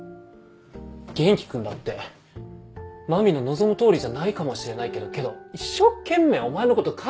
元気君だって麻美の望む通りじゃないかもしれないけどけど一生懸命お前のこと考えて。